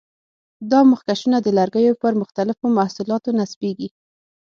دا مخکشونه د لرګیو پر مختلفو محصولاتو نصبېږي.